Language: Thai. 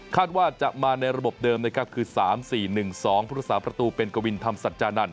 ว่าจะมาในระบบเดิมนะครับคือ๓๔๑๒พุทธศาสประตูเป็นกวินธรรมสัจจานันท